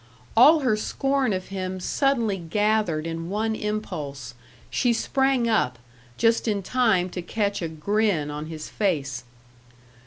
All her scorn of him suddenly gathered in one impulse. She sprang up just in time to catch a grin on his face.